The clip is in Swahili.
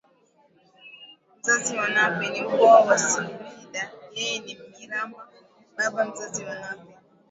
mzazi wa Nape ni mkoa wa Singida yeye ni MnyirambaBaba mzazi wa Nape